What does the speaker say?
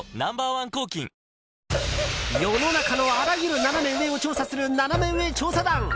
１抗菌世の中のあらゆるナナメ上を調査するナナメ上調査団！